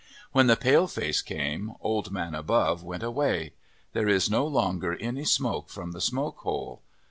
When the pale face came, Old Man Above went away. There is no longer any smoke from the smoke hole.